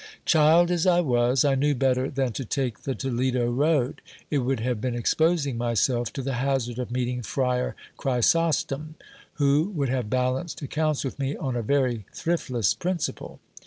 Child as I was, I knew better than to take the Toledo road ; it would have been exposing myself to the hazard of meeting friar Chrysostom, who would have balanced accounts with me on a very thriftless principle.